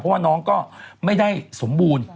เพราะว่าน้องก็ไม่ได้สมบูรณ์